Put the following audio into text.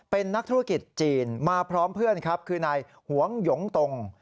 เป็นนักธุรกิจจีนมาพร้อมเพื่อนครับคือนายหวงหยงตรง